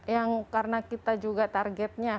yang karena kita juga targetnya